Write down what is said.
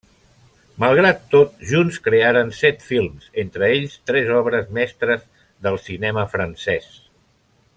Malgrat tot, junts crearen set films, entre ells, tres obres mestres del cinema francès.